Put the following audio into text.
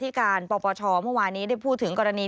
การปปชเมื่อวานนี้ได้พูดถึงกรณี